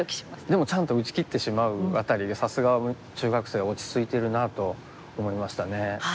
でもちゃんと打ちきってしまうあたりがさすが中学生落ち着いてるなと思いましたね。